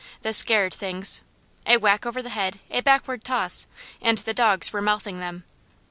The scared things! A whack over the head, a backward toss, and the dogs were mouthing them.